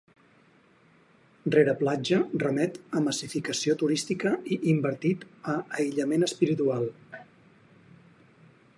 Rere Platja remet a massificació turística i invertit a aïllament espiritual.